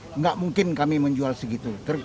tidak mungkin kami menjual segitu